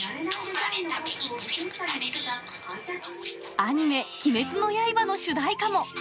アニメ、鬼滅の刃の主題歌も。